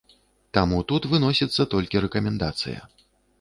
Таму тут выносіцца толькі рэкамендацыя.